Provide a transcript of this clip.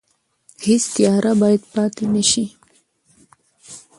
هیڅ تیاره باید پاتې نه شي.